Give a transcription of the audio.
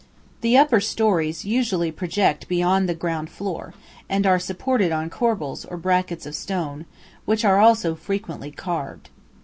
The upper storeys usually project beyond the ground floor, and are supported on corbels or brackets of stone, which also are frequently carved.